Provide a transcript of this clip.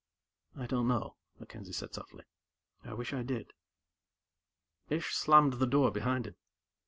"I don't know," MacKenzie said softly. "I wish I did." Ish slammed the door behind him.